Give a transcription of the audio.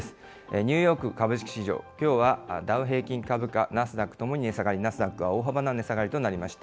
ニューヨーク株式市場、きょうはダウ平均株価、ナスダックともに値下がり、ナスダックは大幅な値下がりとなりました。